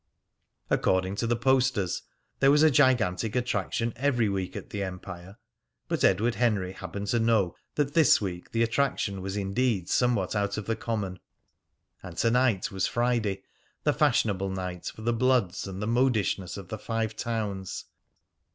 According to the posters, there was a gigantic attraction every week at the Empire, but Edward Henry happened to know that this week the attraction was indeed somewhat out of the common. And to night was Friday, the fashionable night for the bloods and the modishness of the Five Towns.